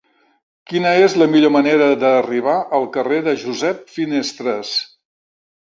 Quina és la millor manera d'arribar al carrer de Josep Finestres?